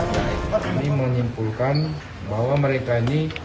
kami menyimpulkan bahwa mereka ini